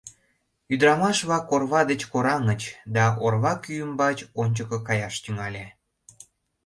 Ӱдырамаш-влак орва деч кораҥыч, да орва кӱ ӱмбач ончыко каяш тӱҥале.